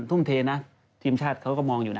ทุ่มเทนะทีมชาติเขาก็มองอยู่นะ